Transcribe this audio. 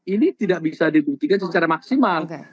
ini tidak bisa dibuktikan secara maksimal